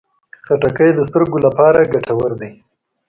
خټکی د سترګو لپاره ګټور دی.